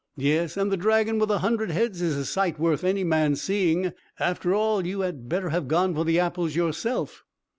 Yes; and the dragon with a hundred heads is a sight worth any man's seeing. After all, you had better have gone for the apples yourself."